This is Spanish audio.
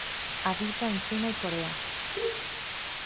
Habita en China y Corea.